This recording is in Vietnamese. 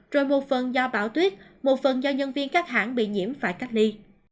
rồi một phần do bão tuyết một phần do nhân viên các hãng bị nhiễm phải cách ly